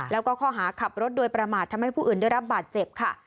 แล้วก็ข้อหาขับรถโดยประมาททำให้ผู้อื่นได้รับบาดเจ็บค่ะ